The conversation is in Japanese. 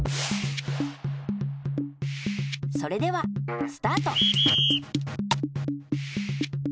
それではスタート！